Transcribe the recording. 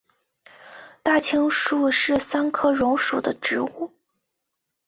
大青树是桑科榕属的植物。